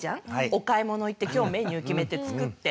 お買い物行って今日メニュー決めて作って。